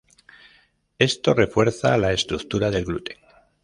Esto refuerza la estructura del gluten.